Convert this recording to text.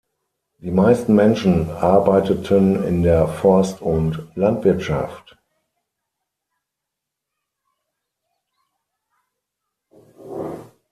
Die meisten Menschen arbeiteten in der Forst- und Landwirtschaft.